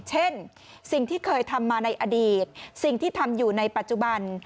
เช่นสิ่งที่เคยทำมาในอดีตสิ่งที่ทำอยู่ในปัจจุบัน